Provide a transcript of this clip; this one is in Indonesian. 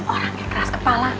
orang yang keras kepala